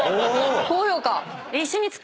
高評価。